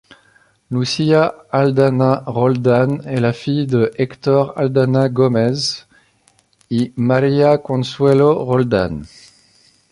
Lucía Aldana Roldán est la fille de Héctor Aldana Gómez y María Consuelo Roldán.